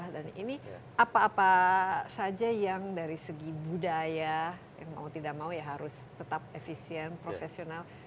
dan ini apa apa saja yang dari segi budaya yang mau tidak mau ya harus tetap efisien profesional